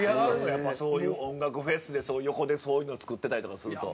やっぱそういう音楽フェスで横でそういうの作ってたりとかすると。